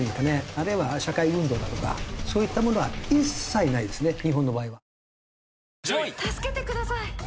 あるいは社会運動だとかそういったものは一切ないですね日本の場合は。